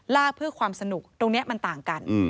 เพื่อความสนุกตรงนี้มันต่างกัน